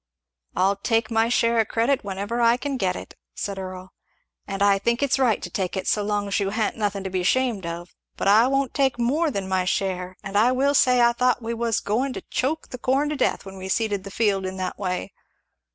"I'll take my share of credit whenever I can get it," said Earl, "and I think it's right to take it, as long as you ha'n't nothing to be ashamed of; but I won't take no more than my share; and I will say I thought we was a goin' to choke the corn to death when we seeded the field in that way.